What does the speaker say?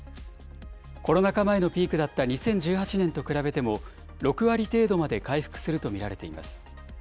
コロナ禍前のピークだった２０１８年と比べても、６割程度まで回復すると見られています。